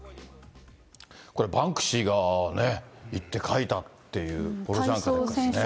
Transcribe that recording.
これ、バンクシーがね、行って描いたっていうボロジャンカ。